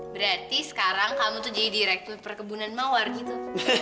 berarti sekarang kamu tuh jadi rekrut perkebunan mawar gitu